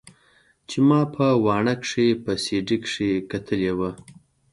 چې ما په واڼه کښې په سي ډي کښې کتلې وه.